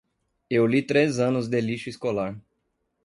Eu li três anos de lixo escolar.